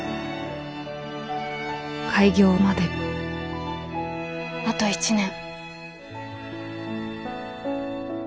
開業まであと１年。